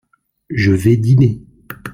Je vais dîner.